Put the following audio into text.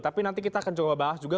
tapi nanti kita akan coba bahas juga